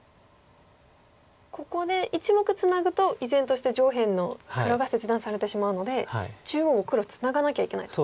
ここで１目ツナぐと依然として上辺の黒が切断されてしまうので中央を黒ツナがなきゃいけないと。